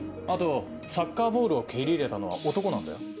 あとサッカーボールを蹴り入れたのは男なんだよ。